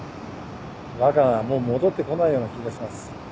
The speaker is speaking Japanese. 若菜はもう戻ってこないような気がします。